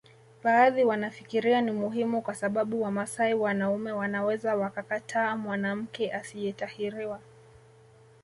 Baadhi wanafikiria ni muhimu kwa sababu Wamasai wanaume wanaweza wakakataa mwanamke asiyetahiriwa